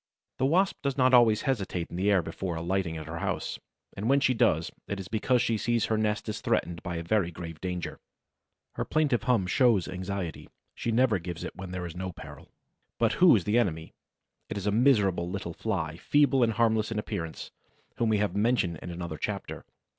The Wasp does not always hesitate in the air before alighting at her house, and when she does, it is because she sees her nest is threatened by a very grave danger. Her plaintive hum shows anxiety; she never gives it when there is no peril. But who is the enemy? It is a miserable little Fly, feeble and harmless in appearance, whom we have mentioned in another chapter.